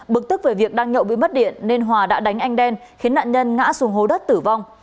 bực tức về việc đang nhậu bị mất điện nên hòa đã đánh anh đen khiến nạn nhân ngã xuống hố đất tử vong